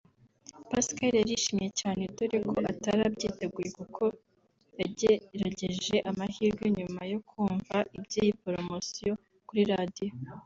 Pascal yarishimye cyane dore ko atari abyiteguye kuko yagerageje amahirwe nyuma yo kumva iby’iyi poromosiyo kuri radiyo